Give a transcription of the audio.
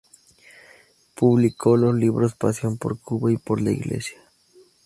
Publicó los libros "Pasión por Cuba y por la Iglesia.